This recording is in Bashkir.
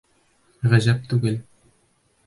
Ғәжәп түгел.